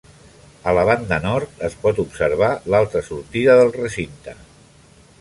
A la banda nord es pot observar l'altra sortida del recinte.